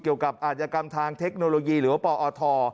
เกี่ยวกับอาจารย์กรรมทางเทคโนโลยีหรือว่าปอท